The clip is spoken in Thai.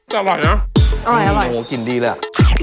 กลิ่นดีแล้ว